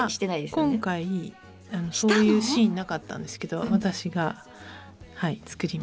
今回したの⁉そういうシーンなかったんですけど私がはい作りました。